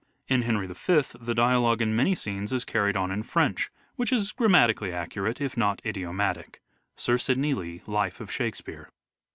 In " Henry V " the dialogue in many scenes is carried on hi French, which is grammatically accurate if not idiomatic " (Sir Sidney Lee, " Life of Shakespeare